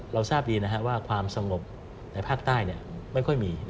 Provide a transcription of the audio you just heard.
เราทราบดีว่าความสงบในภาคใต้ไม่ค่อยมี